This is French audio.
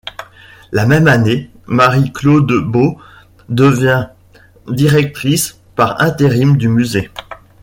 La même année, Marie-Claude Beaud devient directrice par intérim du musée.